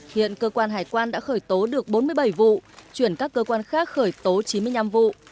hiện cơ quan hải quan đã khởi tố được bốn mươi bảy vụ chuyển các cơ quan khác khởi tố chín mươi năm vụ